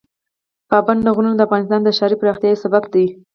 پابندي غرونه د افغانستان د ښاري پراختیا یو سبب دی.